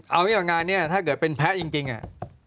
เอาอย่างงานเนี่ยถ้าเกิดเป็นแพ้จริงจริงอ่ะ